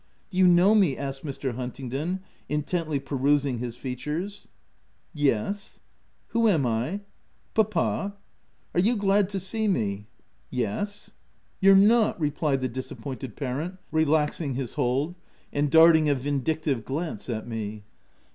H Do you know me ?'' asked Mr: Huntingdon intently perusing his features. OF WILDFELL HALL. 205 « Yes." "Who am I?" " Papa.*' " Are you glad to see me ?" "Yes." Ct You're not! 9, replied the disappointed pa rent, relaxing his hold, and darting a vindictive glance at me.